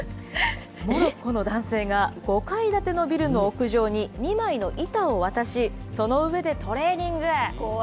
モロッコの男性が、５階建てのビルの屋上に、２枚の板を渡し、その上でトレーニング。